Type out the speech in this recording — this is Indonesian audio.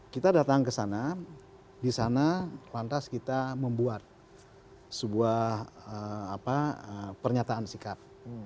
kita datang ke sana di sana lantas kita membuat sebuah pernyataan sikap